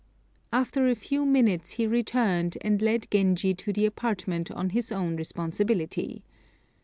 After a few minutes he returned, and led Genji to the apartment on his own responsibility.